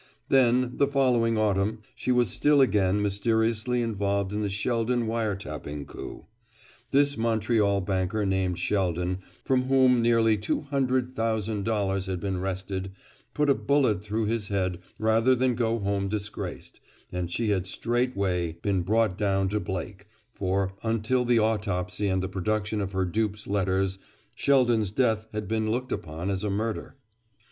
Then, the following autumn, she was still again mysteriously involved in the Sheldon wire tapping coup. This Montreal banker named Sheldon, from whom nearly two hundred thousand dollars had been wrested, put a bullet through his head rather than go home disgraced, and she had straightway been brought down to Blake, for, until the autopsy and the production of her dupe's letters, Sheldon's death had been looked upon as a murder.